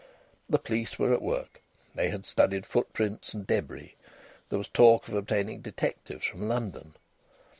The police were at work. They had studied footprints and débris. There was talk of obtaining detectives from London.